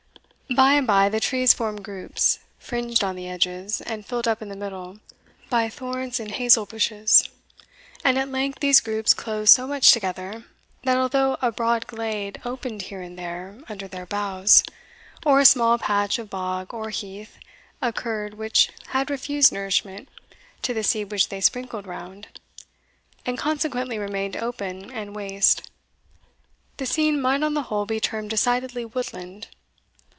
By and by the trees formed groups, fringed on the edges, and filled up in the middle, by thorns and hazel bushes; and at length these groups closed so much together, that although a broad glade opened here and there under their boughs, or a small patch of bog or heath occurred which had refused nourishment to the seed which they sprinkled round, and consequently remained open and waste, the scene might on the whole be termed decidedly woodland.